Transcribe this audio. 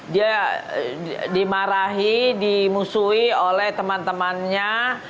dia dimarahi dimusuhi oleh teman temannya